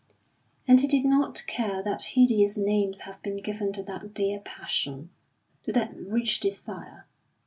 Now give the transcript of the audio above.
And he did not care that hideous names have been given to that dear passion, to that rich desire.